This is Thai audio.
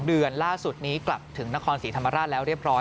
เดือนล่าสุดนี้กลับถึงนครศรีธรรมราชแล้วเรียบร้อย